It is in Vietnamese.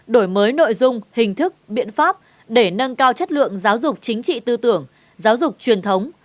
đổi mới nội dung hình thức biện pháp để nâng cao chất lượng giáo dục chính trị tư tưởng giáo dục truyền thống